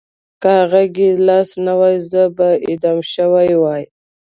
که هغه ګیلاس نه وای زه به اعدام شوی وای